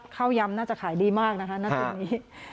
ยำน่าจะขายดีมากนะคะณตรงนี้